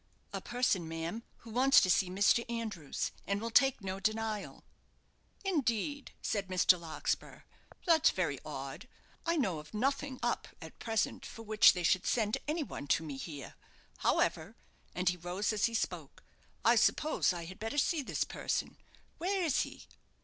"A person, ma'am, who wants to see Mr. Andrews, and will take no denial." "Indeed," said Mr. Larkspur; "that's very odd: I know of nothing up at present for which they should send any one to me here. However," and he rose as he spoke, "I suppose I had better see this person. Where is he?"